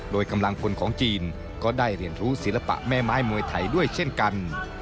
โดยกำลังพลของจีนก็ได้เรียนรู้ศิลปะแม่ไม้มวยไทยด้วยเช่นกัน